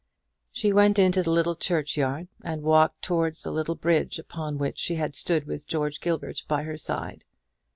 She went into the churchyard, and walked towards the little bridge upon which she had stood with George Gilbert by her side.